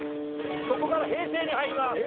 ここから平成に入ります。